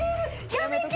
やめて！